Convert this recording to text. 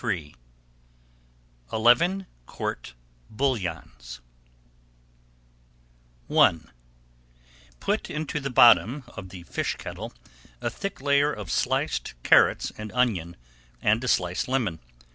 [Page 8] ELEVEN COURT BOUILLONS I Put into the bottom of the fish kettle a thick layer of sliced carrots and onion, and a sliced lemon.